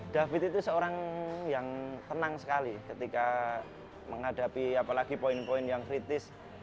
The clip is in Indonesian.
david itu seorang yang tenang sekali ketika menghadapi apalagi poin poin yang kritis